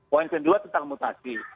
poin kedua tentang mutasi